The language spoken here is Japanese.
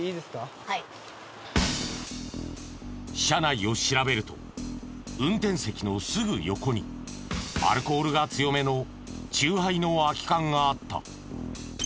車内を調べると運転席のすぐ横にアルコールが強めの酎ハイの空き缶があった。